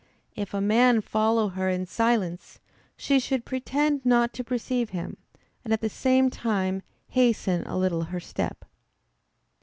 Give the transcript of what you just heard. If a man follow her in silence, she should pretend not to perceive him, and at the same time hasten a little her step.